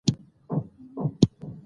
د خپلو اولادونو راتلونکی جوړ کړئ.